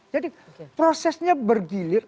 jadi prosesnya bergilir